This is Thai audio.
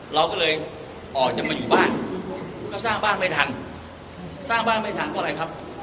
เราก็เลยออกจากมาอยู่บ้านก็สร้างบ้านไม่ทันสร้างบ้านไม่ทันเพราะอะไรครับ